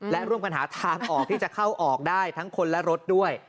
และร่วมกันหาทางออกที่จะเข้าออกได้ทั้งคนและรถด้วย